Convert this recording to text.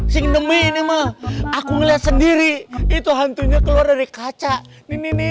sing demen emang aku ngelihat sendiri itu hantunya keluar dari kaca ini nih